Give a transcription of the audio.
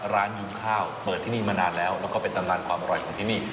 ยุงข้าวเปิดที่นี่มานานแล้วแล้วก็เป็นตำนานความอร่อยของที่นี่